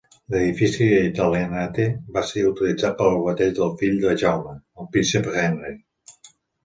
L'edifici Italianate va ser utilitzat per al bateig del fill de Jaume, el príncep Henry.